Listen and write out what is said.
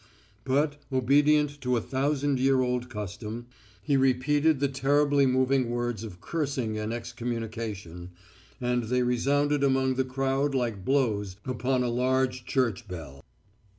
But, obedient to a thousand year old custom, he repeated the terribly moving words of cursing and excommunication, and they resounded among the crowd like blows upon a large church bell.